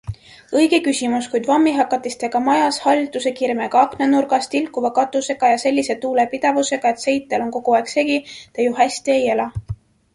Õige küsimus, kuid vammihakatisega majas, hallitusekirmega aknanurgas, tilkuva katusega ja sellise tuulepidavusega, et seitel on kogu aeg segi, te ju hästi ei ela?